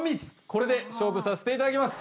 これで勝負させていただきます